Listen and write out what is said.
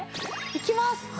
いきます！